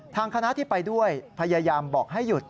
ทางคณะที่ไปด้วยพยายามบอกให้หยุด